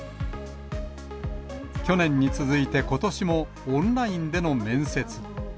去年に続いてことしもオンラインでの面接。